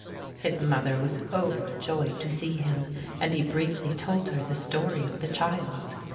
His mother was overjoyed to see him and he briefly told her the story of the child.